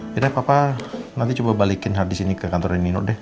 yaudah papa nanti coba balikin hardisk ini ke kantorin nino deh